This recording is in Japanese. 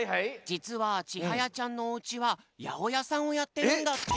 じつはちはやちゃんのおうちはやおやさんをやってるんだって。